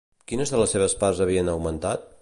Quines de les seves parts havien augmentat?